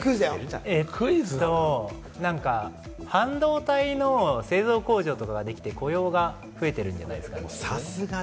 なんか、半導体の製造工場ができて、雇用が増えてるんじゃないですか？